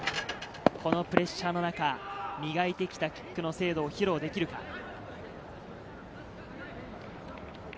このプレッシャーの中、磨いてきたキックの精度を披露できるか？